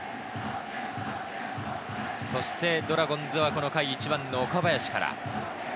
そしてドラゴンズは、この回、１番の岡林から。